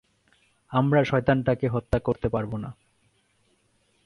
আমরা শয়তান টা কে হত্যা করতে পারবো না।